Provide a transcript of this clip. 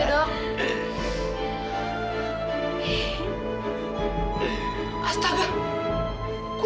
udah pergi kamu pergi